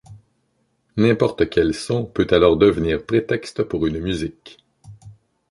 N'importe quel son peut alors devenir prétexte pour une musique.